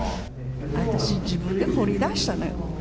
私、自分で掘り出したのよ。